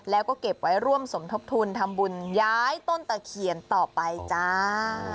แล้วก็เก็บไว้ร่วมสมทบทุนทำบุญย้ายต้นตะเคียนต่อไปจ้า